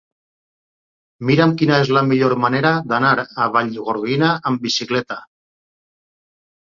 Mira'm quina és la millor manera d'anar a Vallgorguina amb bicicleta.